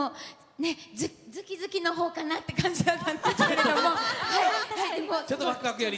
ズキズキのほうかなっていう感じかなと思ったんですけど。